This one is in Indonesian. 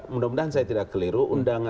mudah mudahan saya tidak keliru